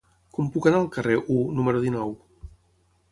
Com puc anar al carrer U número dinou?